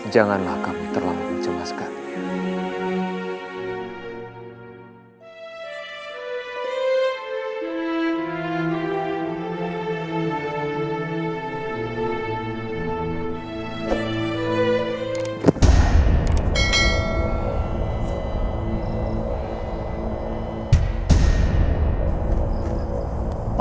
janganlah kamu terlalu mencemaskannya